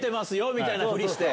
みたいなふりして。